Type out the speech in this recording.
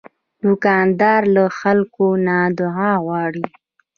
دوکاندار له خلکو نه دعا غواړي.